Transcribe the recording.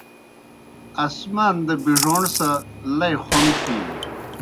آسمان دہ بِڙَوݨ سہ لئی خون تِھینیْ۔